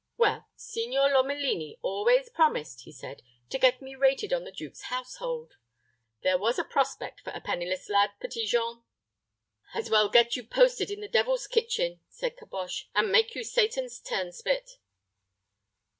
"Well, Signor Lomelini always promised," he said, "to get me rated on the duke's household. There was a prospect for a penniless lad, Petit Jean!" "As well get you posted in the devil's kitchen," said Caboche, "and make you Satan's turnspit."